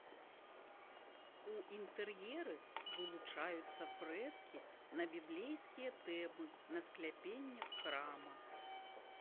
У інтэр'еры вылучаюцца фрэскі на біблейскія тэмы на скляпеннях храма.